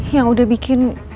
yang udah bikin